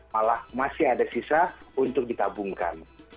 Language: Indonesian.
malah masih ada sisa untuk ditabungkan